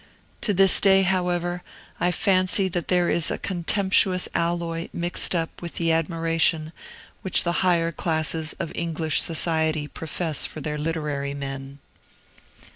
To this day, however, I fancy that there is a contemptuous alloy mixed up with the admiration which the higher classes of English society profess for their literary men.